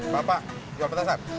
bapak jawab petasan